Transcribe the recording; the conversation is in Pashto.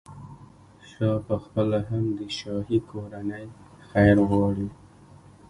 شاه پخپله هم د شاهي کورنۍ خیر غواړي.